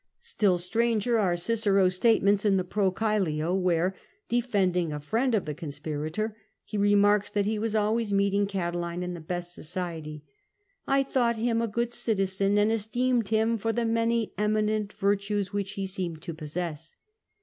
^ Still stranger are Cicero's state ments in the Pro Gmlio, where (defending a friend of the conspirator) he remarks that he was always meeting Catiline in the best society: ''I thought him a good citizen, and esteemed him for the many eminent virtues which he seemed to possess."